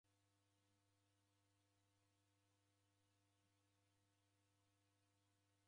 Vilongozi w'erekunda kumanya kwaki w'imangishiro.